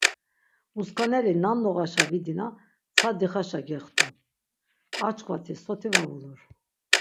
Uskaneli nam noğaşa vidina tsa dixaşa gextu, ar çkvati soti va vulur.